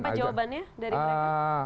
apa jawabannya dari mereka